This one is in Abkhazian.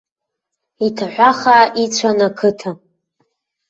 Иҭаҳәахаа ицәан ақыҭа.